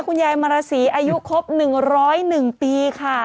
คุณยายมาราศีอายุครบ๑๐๑ปีค่ะ